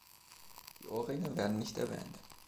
Die Ohrringe werden nicht erwähnt.